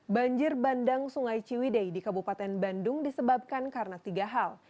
banjir bandang sungai ciwidei di kabupaten bandung disebabkan karena tiga hal